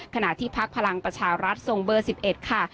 ขณะที่พักพลังประชารัฐส่งเบอร์๑๑ค่ะ